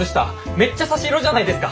めっちゃ差し色じゃないですか。